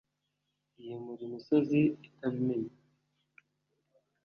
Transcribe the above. yimura imisozi itabimenye